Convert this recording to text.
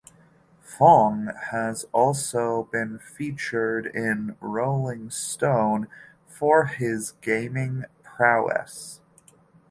Fong has also been featured in "Rolling Stone" for his gaming prowess.